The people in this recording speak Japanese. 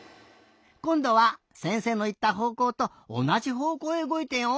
こんどはせんせいのいったほうこうとおなじほうこうへうごいてよ。